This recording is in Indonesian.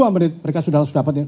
dua menit mereka sudah